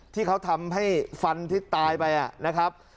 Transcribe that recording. ที่เขาทำให้ฟันที่ตายไปนะครับ